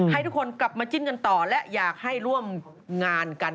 ให้ทุกคนกลับมาจิ้นกันต่อและอยากให้ร่วมงานกัน